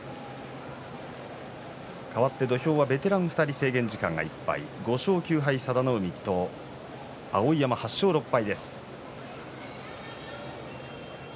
変わって土俵はベテラン２人制限時間いっぱい５勝９敗佐田の海と碧山は８勝６敗。